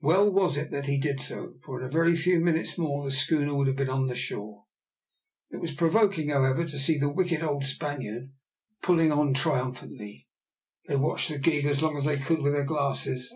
Well was it that he did so, for in a very few minutes more the schooner would have been on shore. It was provoking, however, to see the wicked old Spaniard pulling on triumphantly. They watched the gig as long as they could with their glasses.